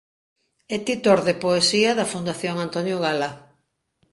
É titor de poesía da Fundación Antonio Gala.